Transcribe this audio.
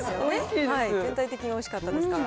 全体的においしかったですか。